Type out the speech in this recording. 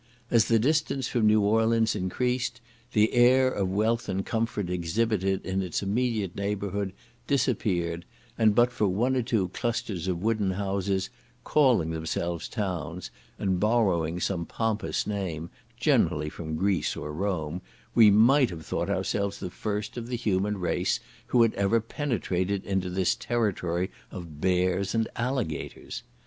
As the distance from New Orleans increased, the air of wealth and comfort exhibited in its immediate neighbourhood disappeared, and but for one or two clusters of wooden houses, calling themselves towns, and borrowing some pompous name, generally from Greece or Rome, we might have thought ourselves the first of the human race who had ever penetrated into this territory of bears and alligators.